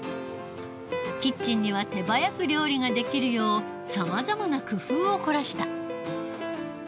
キッチンには手早く料理ができるようさまざまな工夫を凝らした。